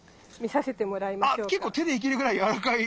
あ結構手でいけるぐらいやわらかい。